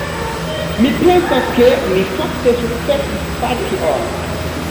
Mi pensas ke mi fakte sukcesis fari tion.